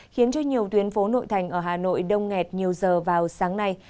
khiến cho nhiều tuyến phố nội thành ở hà nội đông nghẹt nhiều giờ vào sáng nay